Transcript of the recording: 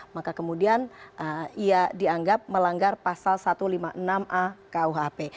maka kemudian ia dianggap melanggar pasal satu ratus lima puluh enam a kuhp